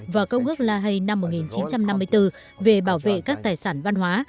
và công ước la hay năm một nghìn chín trăm năm mươi bốn về bảo vệ các tài sản văn hóa